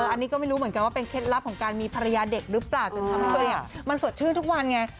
อันนี้ก็ไม่รู้เหมือนกันว่าเป็นเคล็ดลับของการมีภรรยาเด็กหรือเปล่าจนทำให้ตัวเองมันสดชื่นทุกวันไง